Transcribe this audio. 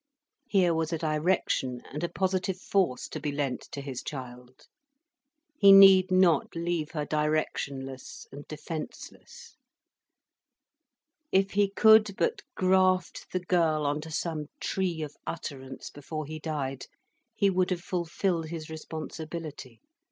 Here was a direction and a positive force to be lent to his child, he need not leave her directionless and defenceless. If he could but graft the girl on to some tree of utterance before he died, he would have fulfilled his responsibility.